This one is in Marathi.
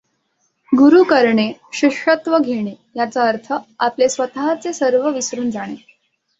गुरू करणे, शिष्यत्व घेणे याचा अर्थ आपले स्वतःचे सर्व विसरून जाणे.